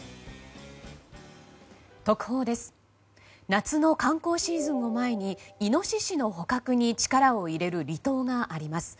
夏の観光シーズンを前にイノシシの捕獲に力を入れる離島があります。